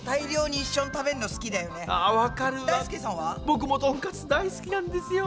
僕もトンカツ大好きなんですよ。